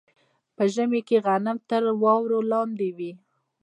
په ژمي کې غنم تر واورې لاندې وي.